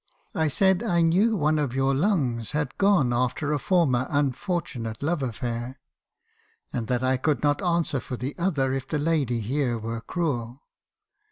I said I knew one of your lungs had gone after a former unfortunate love affair, and that I could not answer for the other if the lady here were cruel.